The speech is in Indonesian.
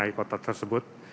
bagaimana kota kota tersebut